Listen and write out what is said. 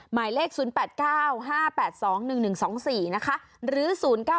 หมายเลข๐๘๙๕๘๒๑๑๒๔นะคะหรือ๐๙๘๔๒๓๘๐๗๕